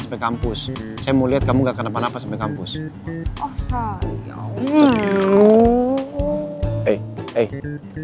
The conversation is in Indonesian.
sampai kampus saya mau lihat kamu gak kena panas sampai kampus oh sayang